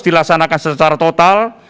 dilaksanakan secara total